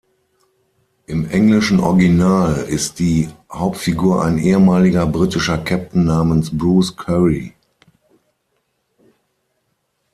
Im englischen Original ist die Hauptfigur ein ehemaliger britischer Captain namens Bruce Curry.